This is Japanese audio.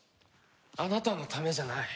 あなたのためじゃない。